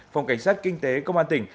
phòng cảnh sát kinh tế công an tỉnh